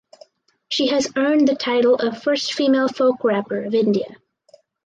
She has earned the title of first female folk rapper of India.